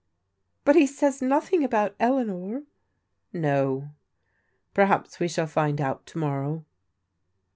" But he says nothing about Eleanor." " No. Perhaps we shall find out to morrow."